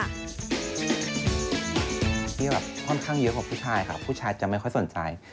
คือค่อนข้างเยอะของผู้ชายผู้ชายจะไม่ค่อยสนใจ